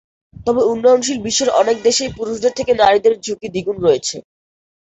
তবে উন্নয়নশীল বিশ্বের অনেক দেশেই পুরুষদের থেকে নারীদের ঝুঁকি দ্বিগুণ রয়েছে।